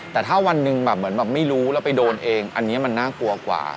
แต่ถ้าวันหนึ่งแบบเหมือนแบบไม่รู้แล้วไปโดนเองอันนี้มันน่ากลัวกว่า